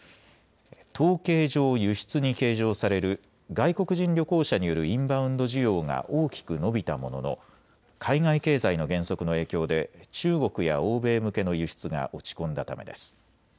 統計上、輸出に計上される外国人旅行者によるインバウンド需要が大きく伸びたものの海外経済の減速の影響で中国や欧米向けの輸出が落ち込んだためです。